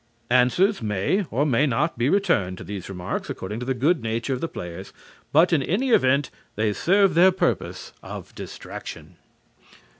Answers may or may not be returned to these remarks, according to the good nature of the players, but in any event, they serve their purpose of distraction.